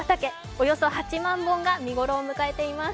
およそ８万本が見頃を迎えています